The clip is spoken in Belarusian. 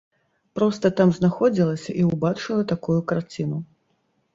Проста там знаходзілася і ўбачыла такую карціну.